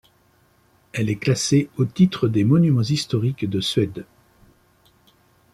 Elle est classée au titre des Monuments historiques de Suède.